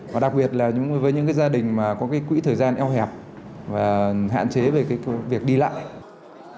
và đặc biệt là với những cái gia đình mà có cái quỹ thời gian eo hẹp và hạn chế về cái việc đi lại